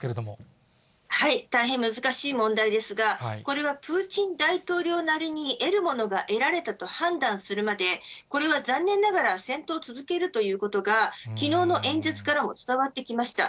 大変難しい問題ですが、これはプーチン大統領なりに、得るものが得られたと判断するまで、これは残念ながら、戦闘を続けるということが、きのうの演説からも伝わってきました。